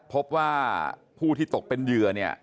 พบว่าผู้ที่ตกเป็นเหยื่อเนี่ย